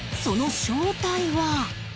その正体は？